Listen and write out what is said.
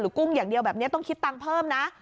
กุ้งอย่างเดียวแบบนี้ต้องคิดตังค์เพิ่มนะ